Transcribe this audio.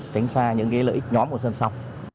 tránh xa những lợi ích nhóm của sân sông